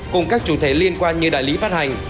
cùng các chủ thể liên quan như đại lý phát hành